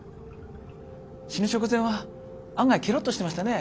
死ぬ直前は案外ケロッとしてましたね。